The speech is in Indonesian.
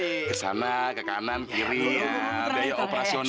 itu buat ke sana ke kanan kirinya biaya operasional